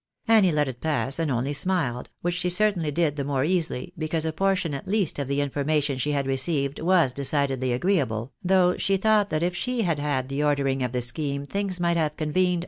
Annie let it pass, and only smiled, which she certainly did the , more easily, because a portion at least of the information she had .received was decidedly agreeable, though she thought that if she had had the ordering of the scheme, things might have " convened